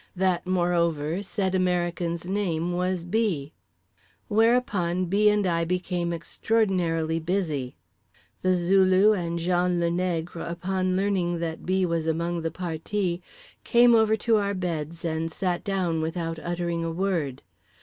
That, moreover, said American's name was B. Whereupon B. and I became extraordinarily busy. The Zulu and Jean le Nègre, upon learning that B. was among the partis, came over to our beds and sat down without uttering a word.